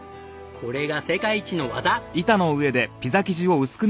これが世界一の技！